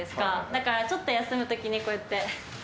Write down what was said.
だからちょっと休む時にこうやって。